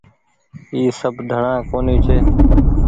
اي سب ڌڻآ ڪونيٚ ڇي۔